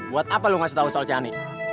buat apa lo ngasih tau soal shani